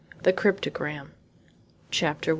THE CRYPTOGRAM CHAPTER I.